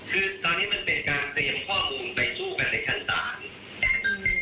คือตอนนี้มันเป็นการเตรียมข้อมูลไปสู้กันในชั้นศาลอืม